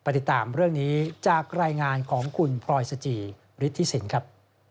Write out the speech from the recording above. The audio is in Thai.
ติดตามเรื่องนี้จากรายงานของคุณพลอยสจิฤทธิสินครับ